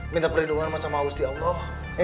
minta perlindungan sama ustiaullah